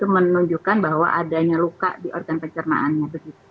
menunjukkan bahwa adanya luka di organ pencernaannya